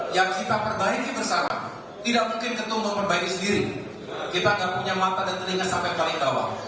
yang kita perbaiki bersama tidak mungkin ketemu untuk perbaiki sendiri kita tidak punya mata dan telinga sampai paling bawah